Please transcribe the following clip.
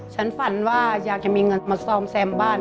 ฉันฝันว่าอยากจะมีเงินมาซ่อมแซมบ้าน